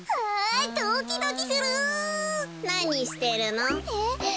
なにしてるの？え。